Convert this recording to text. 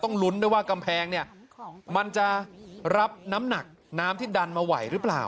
ลุ้นด้วยว่ากำแพงเนี่ยมันจะรับน้ำหนักน้ำที่ดันมาไหวหรือเปล่า